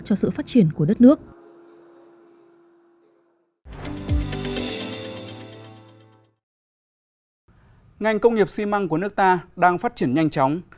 ngành công nghiệp xi măng của nước ta đang phát triển nhanh chóng